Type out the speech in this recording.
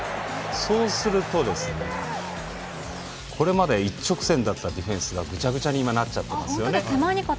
そうするとこれまで一直線だったディフェンスが、ぐちゃぐちゃに今なっちゃってます。